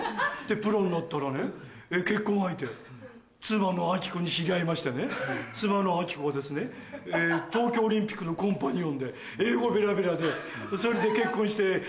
プロになったらね結婚相手妻の亜希子に知り合いましてね妻の亜希子はですね東京オリンピックのコンパニオンで英語ベラベラでそれで。